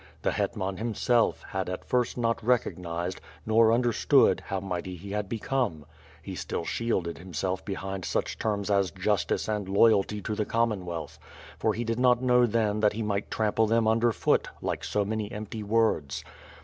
The Hetman, himself, had at first not recognized, nor understood how mighty he had become. He still shielded himself behind such terms as justice and loyalty to the Commonwealth; for he did not know then that he might trample them underfoot, like so many empty words.